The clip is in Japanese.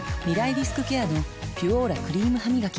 リスクケアの「ピュオーラ」クリームハミガキ